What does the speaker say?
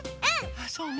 あそうね